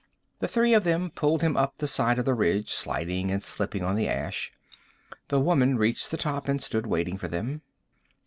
The three of them pulled him up the side of the ridge, sliding and slipping on the ash. The woman reached the top and stood waiting for them.